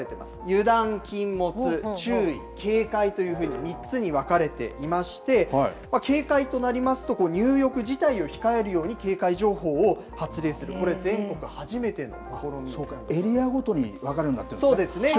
油断禁物、注意、警戒というふうに３つに分かれていまして、警戒となりますと、入浴自体を控えるように警戒情報を発令する、これ、そうか、エリアごとに分かるようになってるんですね。